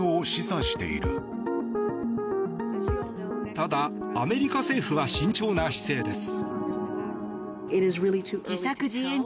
ただ、アメリカ政府は慎重な姿勢です。